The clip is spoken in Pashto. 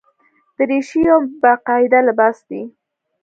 دریشي یو باقاعده لباس دی.